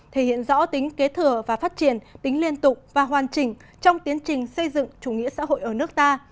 thể hiện rõ tính kế thừa và phát triển tính liên tục và hoàn chỉnh trong tiến trình xây dựng chủ nghĩa xã hội ở nước ta